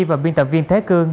và biên tập viên thế cương